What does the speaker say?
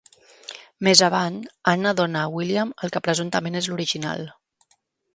Més avant, Anna dóna a William el que presumptament és l'original.